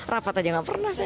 rapat aja gak pernah saya